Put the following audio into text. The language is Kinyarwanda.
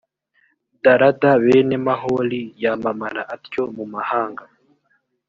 darada bene maholi yamamara atyo mu mahanga